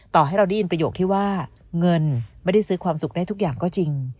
ต่อให้เราได้ยินประโยคที่ว่าเงินไม่ได้ซื้อความสุขได้ทุกอย่างก็จริง